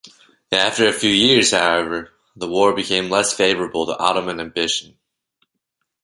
After a few years, however, the war became less favourable to Ottoman ambition.